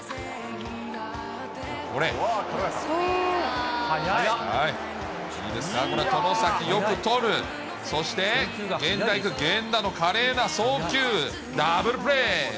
これ、いいですか、外崎、よく捕る、そして源田行く、源田の華麗な送球、ダブルプレー。